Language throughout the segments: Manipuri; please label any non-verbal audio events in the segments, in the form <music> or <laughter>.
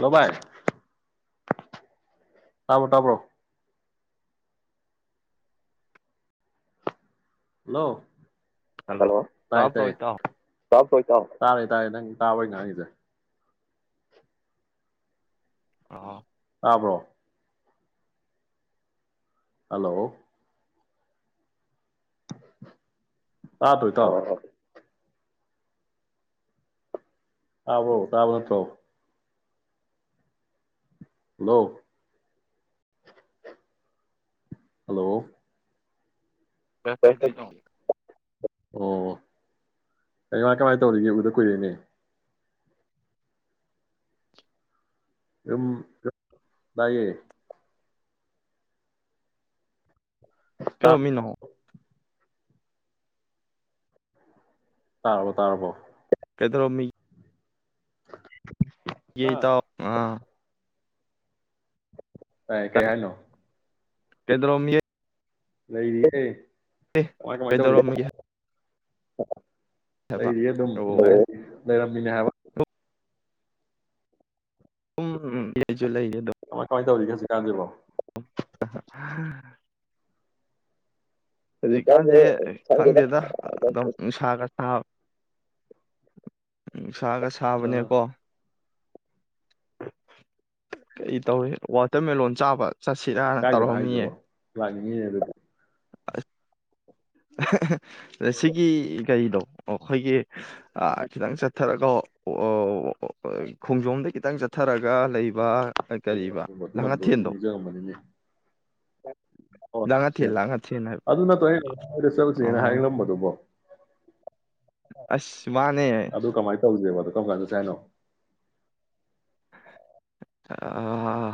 ꯂꯣꯕꯥꯏ ꯇꯥꯕ꯭ꯔꯣ ꯇꯥꯕ꯭ꯔꯣ ꯍꯜꯂꯣ ꯍꯜꯂꯣ ꯍꯂꯣ ꯇ ꯇꯥꯕ꯭ꯔꯣ ꯇꯥꯏ ꯏꯇꯥꯎ ꯇꯥꯔꯦ ꯇꯥꯔꯦ ꯅꯪ ꯇꯥꯕꯣꯏ ꯉꯥꯡꯉꯁꯦ ꯑ ꯇꯥꯕ꯭ꯔꯣ ꯍꯜꯂꯣ ꯑꯥ ꯇꯏ ꯇ ꯍꯥꯎꯥꯎ ꯑꯕꯣ ꯇꯥꯕ ꯅꯠꯇ꯭ꯔꯣ ꯅ ꯍꯜꯂꯣ ꯩꯗ ꯑꯣ ꯀ ꯉꯥꯏ ꯀꯃꯥꯏꯅ ꯇꯧꯔꯤꯒꯦ ꯎꯗ ꯀꯨꯏꯔꯦꯅꯦ ꯌꯝ ꯏꯌꯦ ꯀꯂꯣꯃꯤꯅꯍꯣ ꯇꯥꯔꯔꯕꯣ ꯇꯥꯔꯔꯕꯣ ꯀꯗ꯭ꯔꯣ ꯃꯤ ꯌꯦ ꯇ ꯑꯥ ꯑ ꯇ ꯀꯔꯤ ꯍꯥꯏꯅꯣ ꯀꯗꯔꯣ ꯃꯤ ꯌꯦ ꯂꯩꯣꯏꯔꯤꯑꯦ ꯄꯗꯔꯣ ꯑ ꯂꯩ ꯑꯣ ꯑꯗꯨꯔ ꯃꯤꯅ ꯍꯥꯏꯕ ꯑꯗꯨꯝ ꯎꯝ ꯌꯦꯁꯨ ꯂꯩꯌꯦ ꯑꯗꯨꯣ ꯇꯧꯔꯤ ꯈꯁꯤ ꯀꯥꯟꯗꯕꯣ <inaudible> ꯍꯧꯖꯤꯛꯀꯥꯟꯁꯦ ꯈꯪꯗꯦꯗ ꯑꯗꯨꯝ ꯅꯨꯡꯁꯥꯒ ꯁꯥꯕ ꯎ ꯎꯅꯨꯡꯁꯥꯒ ꯑꯥ ꯁꯥꯕꯅꯦꯀꯣ ꯀꯔꯤ ꯇꯧꯏ ꯋꯥꯇꯔꯃꯦꯂꯣꯟ ꯆꯥꯕ ꯆꯠꯁꯤꯔꯥꯅ ꯀꯥꯏꯗꯅꯣ ꯇꯧꯔꯝꯃꯤꯌꯦ ꯍꯥꯏꯗꯦꯕ ꯂꯥꯛꯅꯤꯡꯉꯤ ꯑꯗꯨꯗꯤ ꯁꯤꯒꯤ ꯀꯔꯤꯗꯣ ꯑꯩꯈꯣꯏꯒꯤ ꯑ ꯈꯤꯇꯪ ꯆꯠꯊꯔꯒ ꯈꯣꯡꯖꯣꯝꯗ ꯈꯤꯇꯪ ꯆꯠꯊꯔꯒ ꯂꯩꯕ ꯀ ꯀꯔꯤꯕ ꯑꯗꯨꯒꯨꯝꯕ ꯑꯗꯨ ꯂꯝꯗꯣ ꯑꯩꯁꯨ ꯂꯥꯡꯉꯊꯦꯜꯗꯣ ꯅꯤꯖꯔꯝꯝꯕꯅꯤꯅꯦ ꯂꯥꯡꯉꯊꯦꯜ ꯂꯥꯡꯉꯊꯦꯜ ꯍꯥꯏꯕ ꯑꯗꯨ ꯅꯠꯇꯦ ꯁꯜꯁꯅ ꯑꯣ ꯍꯥꯏꯂꯝꯝꯕꯗꯨꯕꯣ ꯑꯁ ꯃꯥꯅꯦ ꯑꯗꯨ ꯀꯃꯥꯏꯅ ꯇꯧꯁꯦꯕꯗꯣ ꯀꯔꯝ ꯀꯥꯟꯗ ꯆꯦ ꯍꯥꯏꯅꯣ ꯑ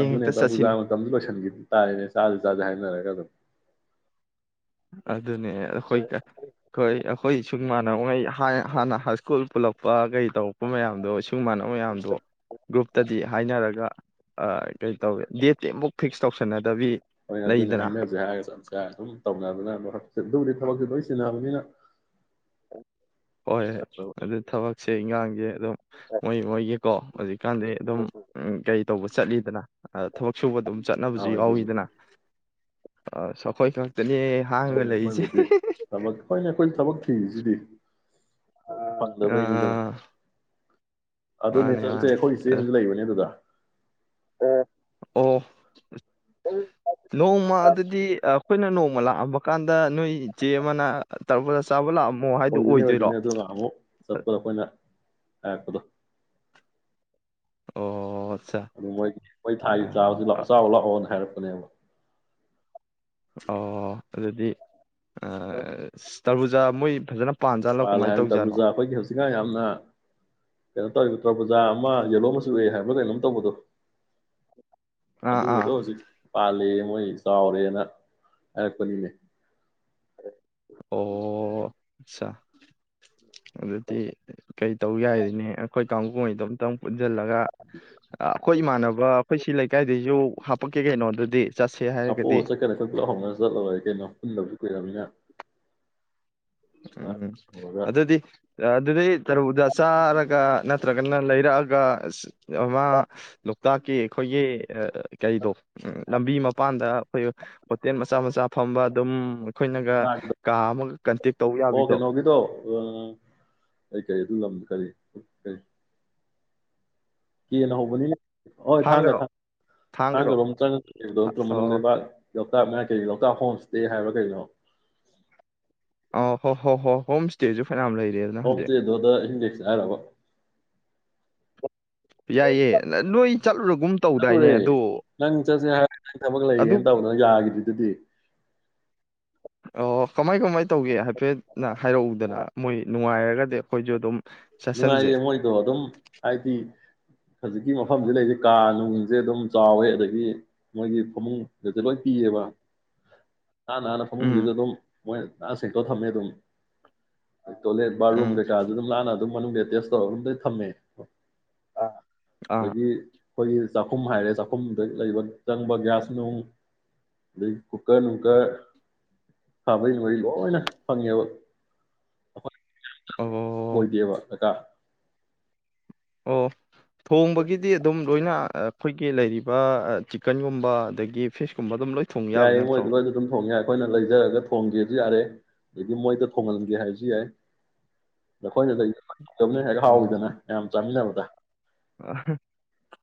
ꯑꯗꯨꯅꯕꯨꯖꯥ ꯃꯇꯝꯖ ꯂꯁꯟꯒꯗꯤ ꯇꯥꯔꯅꯦ ꯆꯗ ꯆꯗ ꯍꯥꯏꯅꯔꯦ ꯀ ꯑꯗꯨꯝ ꯑꯗꯨꯅꯦ ꯑꯩꯈꯣꯏ ꯍꯣꯏ ꯑꯩꯈꯣꯏ ꯁꯨꯝ ꯃꯥꯟꯅꯉꯩ ꯍꯥꯟꯅ ꯍꯥꯏ ꯁ꯭ꯀꯨꯜ ꯄꯨꯜꯂꯛꯄ ꯀꯩ ꯇꯧꯔꯛꯄ ꯃꯌꯥꯝꯗꯣ ꯁꯒꯨꯝ ꯃꯥꯟꯅꯕ ꯃꯌꯥꯝꯗꯣ ꯒ꯭ꯔꯨꯞꯇꯗꯤ ꯍꯥꯏꯅꯔꯒ ꯑꯥ ꯀꯩ ꯇꯧꯋꯦ ꯗꯦꯠꯇꯤ ꯑꯃꯨꯛ ꯐꯤꯛꯁ ꯇꯧꯁꯟꯅꯗꯦ ꯍ ꯑꯣꯏꯅ ꯑꯗꯨꯅꯦ ꯍꯥꯏꯅꯁꯦ ꯍꯥꯏꯔꯒ ꯆꯠꯁꯦ ꯍꯥꯏ ꯑꯗꯨ ꯇꯧ ꯅ ꯑꯗꯨꯕꯨꯗꯤ ꯊꯕꯛꯇꯨ ꯂꯣꯏ ꯁꯤꯟꯅꯕꯅꯤꯅ ꯍꯣꯏꯣꯏ ꯑꯗꯨ ꯊꯕꯛꯁꯦ ꯏꯟꯈꯥꯡ ꯌꯦ ꯑꯗꯨꯝ ꯃꯣꯏ ꯃꯣꯏꯒꯤꯀꯣ ꯍꯧꯖꯤꯛꯀꯥꯟꯗꯤ ꯑꯗꯨꯝ ꯎ ꯀꯩ ꯇꯧꯕ ꯆꯠꯂꯤꯗꯅ ꯊꯕꯛ ꯁꯨꯕ ꯑꯗꯨꯝ ꯆꯠꯅꯕꯁꯨ ꯍꯣꯏ ꯑꯗꯨꯕꯨꯗꯤ ꯌꯥꯎꯋꯤꯗꯅ ꯑ ꯁꯈꯣꯏ ꯈꯪ ꯍꯣꯏꯅꯦ ꯑꯩꯈꯣꯏꯕꯨꯗꯤ ꯊꯕꯛ ꯑꯩꯈꯣꯏꯅꯦ ꯑꯩꯈꯣꯏ ꯊꯕꯛ ꯊꯦꯡꯖꯕꯤ ꯐꯪꯂꯕꯩꯅꯤꯗꯔ ꯑꯥ ꯃꯥꯅꯤ ꯑꯗꯨꯅꯦꯆꯦ ꯃꯥꯅꯤ ꯑꯩꯈꯣꯏ ꯏꯆꯦ ꯑ ꯑꯃꯁꯁꯨ ꯂꯩꯕꯅꯦ ꯑꯗꯨꯗ ꯑ ꯑꯣ ꯅꯣꯡꯃ ꯑꯗꯨꯗꯤ ꯑꯩꯈꯣꯏꯅ ꯅꯣꯡꯃ ꯂꯥꯛꯑꯝꯕ ꯀꯥꯟꯗ ꯅꯣꯏ ꯏꯆꯦ ꯑꯃꯅ ꯇꯔꯕꯜꯗ ꯆꯥꯕ ꯂꯥꯛꯑꯝꯕ ꯑꯣꯏꯗꯣꯏꯅꯤ ꯑꯣꯏꯗꯣꯏꯅꯦ ꯑꯗꯨꯒ ꯑꯃꯨꯛ ꯆꯠꯄꯗ ꯑꯩꯈꯣꯏꯅ ꯍꯥꯏ ꯀꯗꯣ ꯑꯣ ꯑꯠꯆꯥ ꯑꯗꯨ ꯃꯣꯏꯒꯤ ꯃꯣꯏ ꯊꯥꯒꯤ ꯆꯥꯕꯁꯤ ꯑ ꯆꯥꯎꯕ ꯂꯥꯛꯑꯣꯅ ꯍꯥꯏꯔꯣ ꯀꯅꯕ ꯑꯣ ꯑꯗꯨꯗꯤ ꯇꯔꯕꯨꯖꯥ ꯃꯣꯏ ꯐꯖꯅ ꯄꯥꯟꯖꯥꯠꯂꯣ ꯄꯥꯜ ꯀꯃꯥꯏꯅ ꯍꯥꯏꯅ ꯇꯔ ꯇꯧꯖꯥꯠꯅꯣ ꯄꯨꯕꯨꯖꯥ ꯑꯩꯈꯣꯏꯒꯤ ꯍꯧꯖꯤꯛꯀꯥꯟ ꯌꯥꯝꯅ ꯀꯩꯅꯣ ꯇꯧꯔꯤꯕ ꯇꯔꯕꯨꯖꯥ ꯑꯃ ꯌꯦꯂꯣ ꯑꯃꯁꯨ ꯎꯑꯦ ꯍꯥꯏꯕꯗꯩꯅꯝ ꯀꯗ ꯑꯥ ꯑꯥ ꯑꯗꯨꯕꯨꯗꯣ ꯍꯧꯖꯤꯛ ꯄꯥꯜꯂꯤ ꯃꯣꯏ ꯆꯥꯎꯔꯦꯅ ꯍꯥꯏꯔꯛꯄꯅꯤꯅꯦ ꯑꯆꯥ ꯑꯗꯨꯗꯤ ꯀꯩ ꯇꯧ ꯌꯥꯏꯔꯤꯅꯦ ꯑꯩꯈꯣꯏ ꯀꯥꯡꯕꯨꯩ ꯑꯗꯨꯣꯝꯇꯪ ꯄꯨꯟꯁꯤꯜꯂꯒ ꯑꯩꯈꯣꯏ ꯏꯃꯥꯟꯅꯕ ꯑꯩꯈꯣꯏ ꯁꯤ ꯂꯩꯀꯥꯏꯗꯩꯁꯨ ꯍꯥꯄꯛꯀꯦ ꯀꯩꯅꯣꯗꯨꯗꯤ ꯆꯠꯁꯦ ꯍꯥꯏꯔꯒꯗꯤ ꯍꯥꯄꯣꯛꯑ ꯆꯠꯀꯅꯤ ꯑꯩꯈꯣꯏ ꯄꯨꯂꯞ ꯍꯧꯅꯔ ꯆꯠꯂ ꯂꯣꯏꯔꯦ ꯀꯩꯅꯣ ꯄꯨꯟꯗꯕꯁꯨ ꯀꯨꯏꯔꯕꯅꯤꯅ ꯎꯝ ꯇꯧꯔꯒ ꯑꯗꯨꯗꯗꯤ ꯑ ꯑꯗꯨꯗꯤ ꯔ ꯎꯗ ꯆꯥꯔꯒ ꯅꯠꯇ꯭ꯔꯒ ꯀꯟꯅ ꯂꯩꯔꯛꯑꯒ ꯑ ꯑꯃ ꯂ ꯇꯀꯤ ꯑꯩꯈꯣꯏꯒꯤ ꯀꯔꯤꯗꯣ ꯂꯝꯕꯤ ꯃꯄꯥꯟꯗ ꯍꯣ ꯍꯣꯇꯦꯜ ꯃꯆꯥ ꯃꯆꯥ ꯐꯝꯕ ꯑꯗꯨꯝ ꯑꯩꯈꯣꯏꯅꯒ ꯀꯥ ꯑꯃꯒ ꯀꯟꯇꯦꯛ ꯑꯣ ꯌꯥꯕꯤꯗꯣ ꯀꯩꯅꯣꯒꯤꯗꯣ ꯑꯩ ꯀꯔꯤ ꯑꯗꯨ ꯂꯝꯗ ꯀ ꯎ ꯀꯦꯅ ꯍꯧꯕꯅꯤꯅꯦ ꯍꯣꯏ ꯊꯥꯡꯒ ꯊꯥꯡꯒꯔꯣ ꯊ ꯊꯥꯡꯒ ꯊꯥꯡꯒꯔꯣ ꯔꯣꯝ ꯆꯪꯉ ꯂꯩꯕꯗꯨ ꯅꯠꯇ꯭ꯔꯣ ꯃꯅꯨꯡ ꯑꯣ ꯂꯩꯕꯥꯛ ꯂꯣꯛꯇꯥꯛ ꯃꯌꯥꯢꯗ ꯀꯩꯅꯣ ꯂꯣꯛꯇꯥꯛ ꯍꯣꯝ ꯏꯁꯇꯦ ꯍꯥꯏꯕ꯭ꯔꯥ ꯀꯩꯅꯣ ꯑ ꯍꯣ ꯍꯣ ꯍꯣ ꯍꯣꯝ ꯁ꯭ꯇꯦꯁꯨ ꯐꯅꯌꯥꯝ ꯂꯩ ꯑꯣꯐ ꯗꯦꯗꯣ ꯑꯗ ꯑꯍꯤꯡ ꯂꯦꯛꯁꯦ ꯍꯥꯏꯔꯕ ꯌꯥꯏꯌꯦ ꯅꯣꯏ ꯆꯠꯂꯨꯔꯒꯨꯝ ꯇꯧꯗꯥꯏꯅꯦ ꯆꯠꯂꯨꯔꯦ ꯑꯗꯣ ꯅꯪ ꯆꯠꯁꯦ ꯍꯥꯏꯔ ꯅꯪ ꯊꯕꯛ ꯑꯗꯨ ꯂꯩꯌꯦꯅ ꯇꯧꯗꯅ ꯌꯥꯒꯤꯗ꯭ꯔꯤꯗꯨꯗꯤ ꯑꯣ ꯀꯃꯥꯏ ꯀꯃꯥꯏ ꯇꯧꯒꯦ ꯍꯥꯏꯐꯦꯠ ꯅ ꯍꯥꯏꯔꯛꯎꯗꯅ ꯃꯣꯏ ꯅꯨꯡꯉꯥꯏꯔ ꯍꯥꯏꯔꯒꯗꯤ ꯑꯩꯈꯣꯏꯁꯨ ꯑꯗꯨꯝ ꯆꯠꯁꯟꯁꯦ ꯅꯨꯡꯉꯥꯏꯌꯦ ꯃꯣꯏꯗꯣ ꯑꯗꯨꯝ ꯍꯥꯏꯗꯤ ꯍꯧꯖꯤꯛꯀꯤ ꯃꯐꯝꯁꯤ ꯂꯩꯔꯤꯁꯦ ꯀꯥ ꯅꯨꯡꯁꯦ ꯑꯗꯨꯝ ꯆꯥꯎꯋꯦ ꯑꯗꯒꯤ ꯃꯣꯏꯒꯤ ꯐꯃꯨꯡꯒꯁꯦ ꯂꯣꯏ ꯄꯤꯌꯦꯕ ꯅꯥꯟ ꯅꯥꯟꯅ ꯐꯃꯨꯡꯁꯤꯗ ꯎꯝ ꯑꯗꯨꯝ ꯃꯣꯏꯁꯦ ꯅꯥꯟꯅ ꯁꯦꯡꯇꯣꯛꯑꯒ ꯊꯝꯃꯦ ꯑꯗꯨꯝ ꯇꯣꯢꯂꯦ ꯕꯥꯠꯔꯨꯝ ꯎꯝ ꯀꯩ ꯀꯥ ꯗꯨ ꯑꯗꯨꯝ ꯅꯥꯟꯅ ꯑꯗꯨꯝ ꯃꯅꯨꯡꯗ ꯑꯦꯇꯦꯁ ꯇꯧꯔꯒ ꯑꯗꯨꯝꯗ ꯊꯝꯃꯦ ꯑꯥ ꯑꯥ ꯑꯗꯒꯤ ꯑꯩꯈꯣꯏꯒꯤ ꯆꯥꯛꯈꯨꯝ ꯍꯥꯏꯔꯦ ꯆꯥꯛꯈꯨꯝꯗ ꯂꯩꯕ ꯆꯪꯕ ꯒ꯭ꯌꯥꯁ ꯅꯨꯡ ꯑꯗꯩ ꯀꯨꯀꯔ ꯅꯨꯡꯀꯔ ꯈꯥꯕꯩ ꯅꯨꯡꯕꯩ ꯂꯣꯏꯅ ꯐꯪꯉꯦꯕ ꯑꯣ ꯋꯥꯠꯇꯦꯕ ꯀꯩꯀꯥ ꯑꯣ ꯊꯣꯡꯕꯒꯤꯗꯤ ꯑꯗꯨꯝ ꯂꯣꯏꯅ ꯑꯩꯈꯣꯏꯒꯤ ꯂꯩꯔꯤꯕ ꯆꯤꯛꯀꯟꯒꯨꯝꯕ ꯑꯗꯒꯤ ꯐꯤꯁꯀꯨꯝꯕ ꯑꯗꯨꯝ ꯂꯣꯏ ꯊꯣꯡ ꯌꯥꯕ ꯌꯥꯏꯌꯦ ꯅꯠꯇ꯭ꯔꯣ ꯃꯣꯏꯗꯨꯒꯁꯨ ꯑꯗꯨꯝ ꯊꯣꯡ ꯌꯥꯦ꯭ ꯑꯩꯈꯣꯏꯅ ꯂꯩꯖꯔꯒ ꯊꯣꯡꯒꯦꯁꯨ ꯌꯥꯔꯦ ꯑꯗꯒꯤ ꯃꯣꯏꯗ ꯊꯣꯡꯍꯟꯒꯦ ꯍꯥꯏꯕꯁꯨ ꯌꯥꯏ ꯅꯈꯣꯏꯅ <unintelligible> ꯍꯦꯛ ꯍꯥꯎꯋꯤꯗꯅ ꯌꯥꯝ ꯆꯥꯝ꯭ꯃꯤꯟꯅꯕꯗ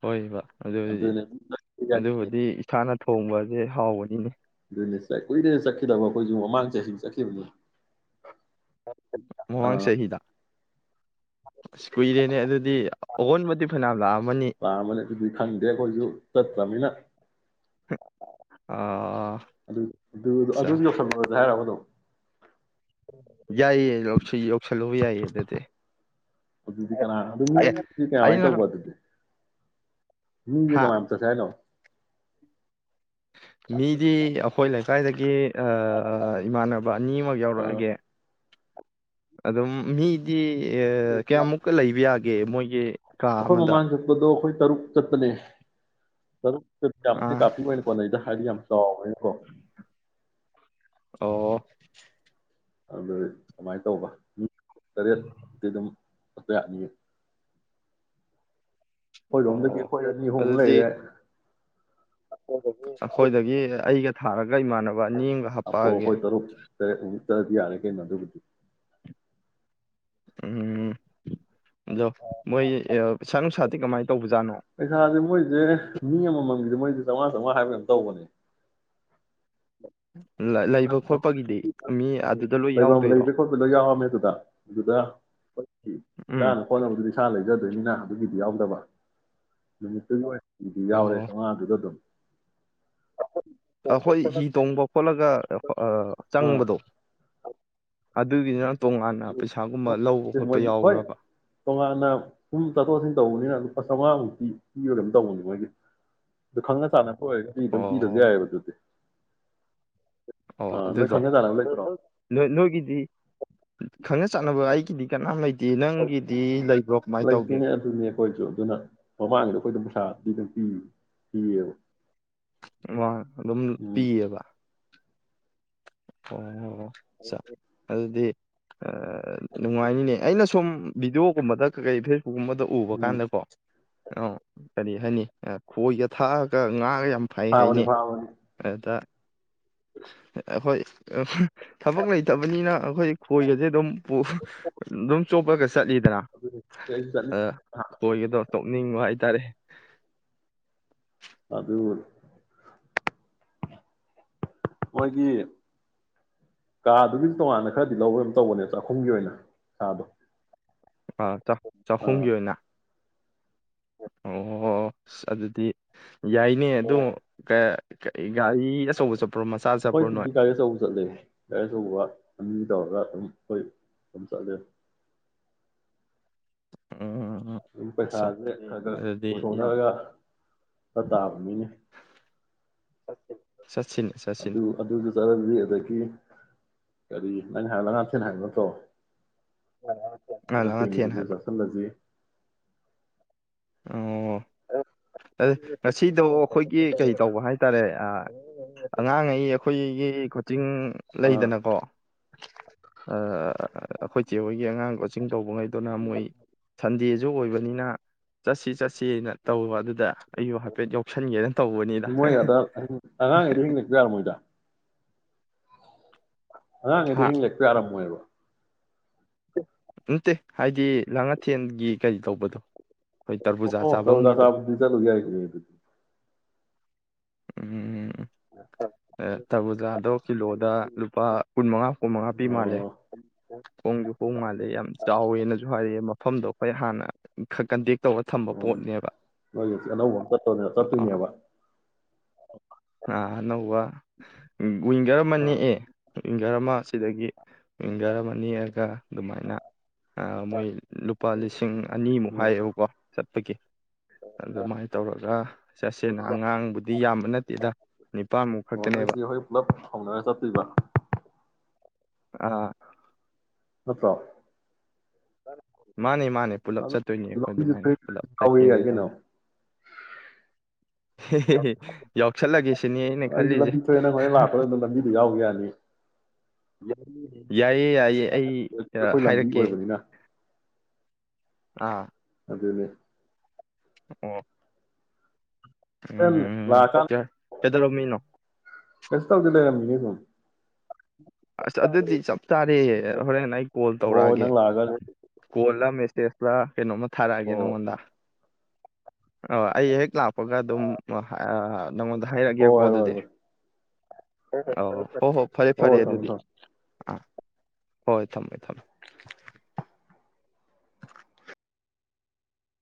ꯑꯣꯏꯕ ꯑꯗꯨꯕꯨꯗꯤ ꯑꯗꯨꯅꯦ ꯌꯥꯏꯅꯤ ꯑꯗꯨꯕꯨꯗꯤ ꯏꯁꯥꯅ ꯊꯣꯡꯕ ꯑꯗꯨ ꯍꯥꯎꯕꯅꯤꯅꯦ ꯀꯨꯏꯔꯦꯅꯦ ꯆꯠꯈꯤꯗꯕ ꯑꯩꯈꯣꯏꯁꯨ ꯃꯃꯥꯡ ꯆꯍꯤꯗ ꯆꯠꯈꯤꯕꯅꯤ ꯃꯃꯥꯡ ꯑꯥ ꯆꯍꯤꯗ ꯑꯁ ꯀꯨꯏꯔꯦꯅꯦ ꯑꯗꯨꯗꯤ ꯑꯑꯣꯟꯕꯗꯤ ꯐꯅꯌꯥꯝ ꯂꯥꯛꯑꯝꯃꯅꯤ ꯄꯥꯝꯕꯅꯦ ꯑꯗꯨꯗꯤ ꯈꯪꯗꯦ ꯑꯩꯈꯣꯏꯁꯨ ꯆꯠꯇ꯭ꯔꯕꯅꯤꯅ ꯑꯠꯆꯥ ꯑꯗꯨ ꯑꯗꯨ ꯌꯧꯁꯜꯂꯨꯔꯁꯦ ꯍꯥꯏꯔꯕ ꯑꯗꯨꯝ ꯁꯤ ꯌꯧꯁꯜꯂꯨꯕ ꯌꯥꯏꯌꯦ ꯑꯗꯨꯗꯤ ꯑꯗꯨ ꯀ ꯑꯗꯨꯝ ꯑꯦ ꯀꯃꯥꯏꯅ ꯇꯧꯕ ꯑꯩꯅ ꯑꯗꯨꯗꯤ ꯃꯤꯖꯦ ꯀꯃꯥꯏꯌꯥꯝꯝꯇꯁꯂꯣ ꯃꯤꯗꯤꯦ ꯑꯩꯈꯣꯏ ꯂꯩꯀꯥꯏꯗꯒꯤ ꯏꯃꯥꯟꯅꯕ ꯑꯅꯤꯃ ꯑꯥ ꯌꯥꯎꯔꯛꯑꯒꯦ ꯑꯗꯣ ꯃꯤꯗꯤ ꯑꯦ ꯀꯌꯥꯃꯨꯛꯀ ꯂꯩꯕ ꯌꯥꯒꯦ ꯃꯣꯏꯒꯤ ꯀꯥ ꯑꯩꯈꯣꯏ ꯑꯃꯗ ꯃꯃꯥꯡ ꯆꯠꯄꯗꯣ ꯑꯩꯈꯣꯏ ꯇꯔꯨꯛ ꯆꯠꯇꯅꯦ ꯇꯔꯨꯛ ꯐ ꯌꯥꯝꯝ ꯑꯥ ꯀꯥꯄꯤꯤ ꯄꯅꯤ ꯄꯣꯅ ꯏꯗ ꯍꯔꯤ ꯑꯝ ꯁꯣꯝ ꯑꯣ <inaudible> ꯑꯗꯨ ꯀꯃꯥꯏꯅ ꯇꯧꯕ ꯃꯤ ꯇꯔꯦꯛꯇꯤ ꯑꯗꯨꯝ ꯑ ꯌꯥꯠꯅꯤꯌꯦ ꯑꯩꯈꯣꯏꯔꯣꯝꯗꯒꯤ ꯑꯣ ꯑꯩꯈꯣꯏ ꯑꯅꯤꯍꯣꯡ ꯑꯗꯨꯗꯤ ꯂꯩꯔꯦ ꯑꯩꯈꯣꯏꯗꯒꯤ ꯑꯩꯒ ꯊꯥꯛ ꯒ ꯏꯃꯥꯟꯅꯕ ꯑ ꯅꯦꯝꯒ ꯍꯥꯞꯄꯛꯑꯒꯦ ꯍꯨ ꯇꯗꯤ ꯌꯥꯔꯦ ꯀ ꯅꯊꯨꯒꯊ ꯎꯝ ꯌꯥ ꯃꯣꯏ ꯁꯥꯡꯁ ꯁꯥꯇꯀ ꯃꯥ ꯄꯩꯁꯥꯁꯦ ꯃꯣꯏꯁꯦ ꯃꯤ ꯑꯃꯃꯝꯒꯤꯗ ꯃꯣꯏ ꯆꯝꯃꯉꯥ ꯆꯉꯥ ꯍꯥꯏꯕꯅ ꯇꯧꯕꯅꯦ ꯂꯩꯕ ꯈꯣꯠꯄꯒꯤꯗꯤ ꯃꯤ ꯑꯗꯨꯗ ꯂꯣꯏ ꯂꯩꯐꯝ ꯌꯥꯎꯗꯣꯏꯔꯣ ꯂꯩꯕ ꯈꯣꯠꯄꯗ ꯌꯥꯎꯔꯝꯃꯦ ꯑꯗꯨꯗ ꯑꯗꯨꯗ ꯍꯣꯏ ꯎꯝ ꯆꯥꯅ ꯍꯣꯠꯅꯕꯗꯨꯗꯤ ꯏꯁꯥ ꯂꯩꯖ <unintelligible> ꯅꯤꯅ ꯑꯗꯨꯒꯤꯗꯤ ꯌꯥꯎꯗꯕ <unintelligible> ꯏꯗꯨ ꯑꯣ ꯌꯥꯎꯔꯦ ꯆꯥꯝꯃꯉꯥꯗꯨꯗ ꯑꯗꯨꯝ꯫ ꯑꯩꯈꯣꯏ ꯍꯤ ꯇꯣꯡꯕ ꯈꯣꯠꯂꯒ ꯑꯥ ꯆꯪꯕꯗꯣ꯫ ꯑꯗꯨꯒꯤ ꯃꯣꯏ ꯍꯣꯏ ꯌꯥꯎꯕ꯭ꯔꯕ ꯇꯣꯉꯥꯟꯅ ꯁꯨꯝ ꯆꯠꯊꯣꯛ ꯆꯠꯁꯤꯟ ꯇꯧꯕꯅꯤꯅ ꯂꯨꯄꯥ ꯆꯥꯝꯃꯉꯥꯃꯨꯛ꯫ ꯄꯤꯕ ꯀꯩꯅꯣꯝꯇꯧꯕꯅꯦ ꯃꯣꯏꯒꯤ ꯑꯗꯨ ꯈꯪꯅ ꯆꯥꯟꯅꯕ꯫ ꯍꯣꯏ <unintelligible> ꯑꯗꯨꯝ ꯄꯤꯗꯕꯁꯨ ꯑꯣ ꯌꯥꯏꯌꯦꯕ ꯑꯗꯨꯗꯤ꯫ ꯑꯣ ꯑꯥ ꯅꯣꯏ ꯑꯗꯨꯗꯣ ꯈꯪꯅ ꯆꯥꯟꯅꯕ ꯂꯩꯇ꯭ꯔꯣ ꯅꯣꯏꯒꯤꯗꯤ꯫ ꯈꯪꯅ ꯆꯥꯅꯕ ꯑꯩꯒꯤꯗꯤ ꯀꯅꯥꯝ ꯂꯩꯇꯦ ꯅꯪꯒꯤꯗꯤ ꯂꯩꯕ꯭ꯔꯣ ꯀꯃꯥꯏꯅ ꯇꯧꯒꯦ ꯂꯩꯇꯦꯅꯦ ꯑꯗꯨꯅꯦ ꯑꯩꯈꯣꯏꯁꯨ ꯑꯗꯨꯅ ꯃꯃꯥꯡꯒꯤꯗ ꯑꯩꯈꯣꯏ ꯑꯗꯨ ꯄꯩꯁꯥꯥ꯫ <unintelligible> ꯄꯤꯌꯦꯕ꯫ <unintelligible> ꯑꯗꯨꯝ ꯎꯝ ꯄꯤꯌꯦꯕ꯫ ꯑꯣ <unintelligible> ꯆ ꯑꯗꯨꯗꯤ꯫ ꯅꯨꯡꯉꯥꯏꯅꯤꯅꯦ ꯑꯩꯅ ꯁꯨꯝ ꯚꯗꯤꯑꯣꯒꯨꯝꯕꯗ ꯀꯩꯀꯩ ꯐꯦꯁ ꯒꯨꯝꯕꯗ ꯎꯕ ꯎꯝ ꯀꯥꯟꯗꯀꯣ꯫ ꯑ ꯀꯔꯤ ꯍꯥꯏꯅꯤ ꯈꯣꯏꯒ ꯊꯥꯛꯑꯒ ꯉꯥꯒ ꯌꯥꯝ꯫ ꯐꯩ ꯐꯥꯕꯅꯤ ꯍꯥꯏꯅꯦ ꯐꯥꯕꯅꯤ ꯑꯗ꯫ ꯑꯩꯈꯣꯏ ꯊꯕꯛ ꯂꯩꯇꯕꯅꯤꯅ꯫ ꯑꯩꯈꯣꯏ ꯈꯣꯏꯒꯁꯦ ꯑꯗꯨꯝ ꯑꯗꯨꯝ ꯆꯣꯞꯄꯒ ꯆꯠꯂꯤꯗꯅ ꯑꯗꯨꯅꯤ ꯁꯤ ꯑꯩꯁꯨ ꯆꯠꯅꯤꯡ ꯑꯗ ꯈꯣꯏꯒꯗꯣ꯫ ꯇꯣꯛꯅꯤꯡꯕ ꯍꯥꯏꯇꯥꯔꯦ꯫ ꯑꯗꯨ꯫ ꯃꯣꯏꯒꯤ ꯀꯥꯗꯨꯒꯤ ꯇꯣꯉꯥꯟꯅ ꯈꯔꯗꯤ ꯂꯧꯕꯝ ꯇꯧꯕꯅꯦꯕ ꯆꯥꯛꯈꯨꯝꯒꯤ ꯑꯣꯏꯅ ꯁꯥꯗꯣ꯫ ꯑꯥ ꯆ ꯆꯥꯈꯨꯝꯒꯤ ꯑꯣꯏꯅ꯫ ꯑꯣ ꯑꯗꯨꯗꯤ꯫ ꯌꯥꯏꯅꯦ ꯑꯗꯨ <unintelligible> <unintelligible> ꯑꯆꯧꯕ ꯆꯠꯄ꯭ꯔꯣ ꯃꯆꯥ ꯑꯩꯈꯣꯏ ꯆꯠꯄ꯭ꯔꯣ ꯅꯣꯏ ꯗꯨꯗꯤ ꯒꯥꯔꯤ ꯑꯆꯧꯕ ꯆꯠꯂꯦ ꯒꯥꯔꯤ ꯑꯆꯧꯕ꯫ <unintelligible> ꯑꯗꯨꯝ ꯆꯠꯂꯦ꯫ ꯎꯝ ꯎꯝ ꯑꯗꯨꯝ ꯑꯆꯥ ꯄꯩꯁꯥꯁꯦ ꯈꯒ ꯑꯗꯨꯗꯤ ꯌꯥꯝ ꯄꯨꯊꯣꯛꯅꯔꯒ ꯆꯠꯇꯥꯕꯅꯤꯅꯦ꯫ ꯆꯠꯁꯤꯅꯦ ꯆꯠꯁꯤꯅꯦ ꯑꯗꯨ ꯑꯗꯨꯗꯨ ꯆꯠꯔꯅꯤ ꯑꯗꯨꯗꯒꯤ꯫ ꯀꯔꯤ ꯅꯪ ꯍꯥꯏꯅ ꯉꯇꯅ ꯍꯥꯏꯅꯠꯇꯣ ꯉꯥ ꯂꯥꯡꯉꯊꯦꯟ ꯅꯠꯇꯦꯡꯒꯤꯗꯨꯁꯨ ꯍꯥꯏꯕ ꯆꯥꯁꯤꯜꯂꯁꯤꯦ ꯑꯣ ꯑꯗꯨ ꯉꯁꯤꯗꯣ ꯑꯩꯈꯣꯏꯒꯤ ꯀꯩ ꯇꯧꯕ ꯍꯥꯏꯇꯥꯔꯦ ꯑꯥ ꯑꯉꯥꯡꯉꯩ ꯑꯩꯈꯣꯏꯒꯤ ꯀꯣꯆꯤꯡ ꯑꯥ ꯂꯩꯗꯅꯀꯣ ꯑꯩꯈꯣꯏ ꯆꯦ ꯍꯣꯏꯒꯤ ꯑꯉꯥꯡ ꯀꯣꯆꯤꯡ ꯇꯧꯕꯉꯩ ꯑꯗꯨꯅ ꯃꯣꯏ ꯁꯟꯗꯦ ꯖ ꯑꯣꯏꯕꯅꯤꯅ ꯆꯠꯁꯤ ꯆꯠꯁꯤ ꯍꯥꯏꯅ ꯇꯧꯕ ꯗ ꯑꯩꯁꯨ ꯍꯥꯏꯐꯦꯠ ꯌꯥꯎꯁꯟꯒꯦꯅ ꯇꯧꯕꯅꯤꯗ ꯃꯣꯏ ꯑꯗ ꯑꯉꯥꯡꯉꯩꯗꯣ ꯍꯤꯡꯂꯛꯄ ꯌꯥꯔꯝꯃꯣꯏꯗ ꯍꯥꯡ ꯏꯗ ꯍꯥ ꯍꯤꯡ ꯂꯄꯤ ꯑꯔꯝ ꯑꯣꯏꯕ ꯅꯠꯇꯦ ꯍꯥꯏꯗꯤ ꯂꯥꯡ ꯑꯊꯦꯟꯒꯤ ꯀꯔꯤ ꯇꯧꯕꯗꯣ ꯑꯩꯈꯣꯏ ꯇꯔꯕꯨꯖꯥ ꯑꯣ ꯆꯥꯐꯝꯒꯤꯗꯣ ꯆꯧꯗꯁꯕꯗꯤ ꯆꯂ ꯌꯥꯏ ꯎꯝ ꯎꯝ ꯊꯕꯨꯖꯥꯗꯣ ꯀꯤꯂꯣꯗ ꯂꯨꯄꯥ ꯀꯨꯟꯃꯉꯥ ꯀꯨꯟꯃꯉꯥ ꯄꯤ ꯃꯥꯜꯂꯦ ꯑꯣ ꯍꯣꯡꯁꯨ ꯍꯣꯡ ꯃꯥꯜꯂꯦ ꯌꯥꯝ ꯆꯥꯎꯋꯦꯅꯁꯨ ꯍꯥꯏꯔꯛꯑꯌꯦ ꯃꯐꯝꯗꯣ ꯑꯩꯈꯣꯏ ꯍꯥꯟꯅ ꯀꯟꯇꯦꯛ ꯇꯧꯔ ꯊꯝꯕ ꯑꯣ ꯄꯣꯠꯅꯦꯕ ꯅꯣꯏ ꯉꯁꯤ ꯑꯅꯧꯕ ꯑꯃ ꯆꯠꯇꯣꯏꯅꯦ ꯑ ꯆꯠꯇꯣꯏꯅꯦꯕ ꯑ ꯑꯅꯧꯕ ꯋꯤꯡꯒꯔ ꯑꯃ ꯑꯥ ꯅꯦꯛꯑꯦ ꯄꯌꯥꯔ ꯑꯃ ꯑꯁꯤꯗꯒꯤ ꯌꯥꯔꯝꯃꯅꯤꯔꯒ ꯑꯗꯨꯃꯥꯏꯅ ꯃꯣꯏ ꯂꯨꯄꯥ ꯂꯤꯁꯤꯡ ꯑꯅꯤꯃꯨꯛ ꯑꯥ ꯍꯥꯏꯌꯦꯕꯀꯣ ꯇꯀꯤꯦ ꯑꯗꯨꯃꯥꯏꯅ ꯇꯧꯔꯒ ꯆꯠꯁꯦꯅ ꯑꯉꯥꯡꯕꯨꯗꯤ ꯌꯥꯝꯕ ꯅꯠꯇꯦꯗ ꯅꯤꯄꯥꯥꯟꯃꯨꯛ ꯑꯣ ꯅꯣꯏ ꯈꯛꯇꯅꯦꯕ ꯆꯦ ꯍꯣꯏ ꯄꯨꯂꯞ ꯍꯧꯅꯔ ꯆꯠꯇꯣꯏꯕ ꯑꯥ ꯃꯠꯇ꯭ꯔꯣ ꯃꯥꯅꯦ ꯃꯥꯅꯦ ꯄꯨꯂꯞ ꯆꯠꯇꯣꯏꯅꯦ ꯑꯩꯈꯣꯏ ꯑꯗꯨꯃꯥꯏꯅ ꯄꯨꯂꯞ ꯌꯥꯎꯋꯦ ꯆꯠꯀꯦꯅ ꯌꯥꯏ ꯀꯩꯅꯣ ꯇꯧꯔꯤ ꯌꯥꯎꯁꯜꯂꯒꯦ ꯁꯤꯅꯤ ꯑꯩꯅ ꯑꯩꯁꯨ ꯈꯜꯂꯤꯁꯦ ꯂꯝꯕꯤ ꯊꯣꯛꯑꯦꯅ ꯍꯣꯔꯅ ꯂꯥꯛꯄꯗ ꯑꯗꯨꯅ ꯂꯝꯕꯤꯗ ꯌꯥꯎꯈꯤ ꯌꯥꯅꯤ ꯌꯥꯏꯑꯦ ꯌꯥꯏꯌꯦꯦ ꯑꯩ ꯑꯩꯈꯣꯏ ꯂꯝꯕꯤ ꯍꯥꯏꯔꯛꯀꯦ ꯑꯣꯏꯕꯅꯤꯅ ꯑꯥ ꯑꯗꯅꯦ ꯑꯣ ꯍꯣꯔꯦꯟ ꯎꯝ ꯀꯌꯥ ꯀꯩꯗꯔꯣ ꯃꯤꯅꯣ ꯀꯦꯁ ꯇꯧꯗ ꯂꯩꯔꯅꯤ ꯑꯗꯨꯝ ꯑꯁ ꯑꯗꯨꯗꯤ ꯆꯞ ꯆꯥꯔꯦ ꯍꯣꯔꯦꯟ ꯑꯩ ꯀꯣꯜ ꯍꯣꯏ ꯍꯣꯏ ꯇꯧꯔꯛꯑꯒꯦ ꯅꯪ ꯂꯥꯛꯑꯒ ꯀꯣꯜꯂ ꯃꯦꯁꯦꯁ ꯄꯨ ꯀꯩꯅꯣꯝꯃ ꯊꯥꯔꯛꯑꯒꯦ ꯍꯣꯏ ꯅꯉꯣꯟꯗ ꯑ ꯑꯩ ꯍꯦꯛꯒ ꯂꯥꯛ ꯀꯄꯒ ꯑꯗꯨꯝ ꯅꯪꯉꯣꯟꯗ ꯍꯥꯏꯔꯛꯑꯒꯦꯀꯣ ꯍꯣꯏ ꯍꯣꯏ ꯑꯗꯨꯗꯤ ꯍꯣꯏ ꯑ ꯍꯣ ꯍꯣ ꯐꯔꯦ ꯐꯔꯦ ꯍꯣꯏ ꯊꯝꯃꯣ ꯑꯗꯨꯗꯤ ꯊꯝꯃꯣ ꯑꯥ ꯍꯣꯏ ꯊꯝꯃꯦ ꯊꯝꯃꯦ